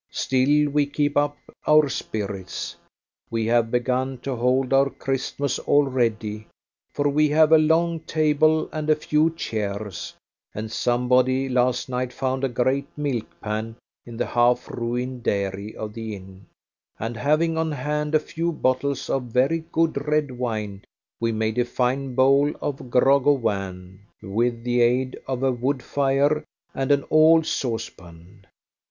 Still we keep up our spirits. We have begun to hold our Christmas already, for we have a long table and a few chairs, and somebody last night found a great milk pan in the half ruined dairy of the inn, and, having on hand a few bottles of very good red wine, we made a fine bowl of grog au vin, with the aid of a wood fire and an old saucepan.